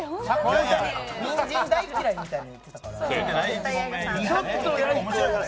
にんじん大嫌いみたいに言っていたから。